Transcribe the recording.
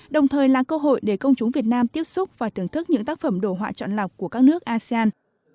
đồng thời là cơ hội để công chúng việt nam tiếp xúc và thưởng thức những tác phẩm đồ họa chọn lọc của các nước asean